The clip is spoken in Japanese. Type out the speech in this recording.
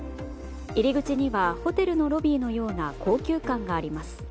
入り口にはホテルのロビーのような高級感があります。